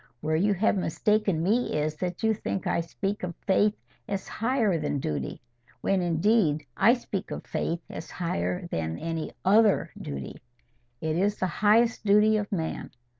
Where you have mistaken me is, that you think I speak of faith as higher than duty, when indeed I speak of faith as higher than any OTHER duty. It is the highest duty of man.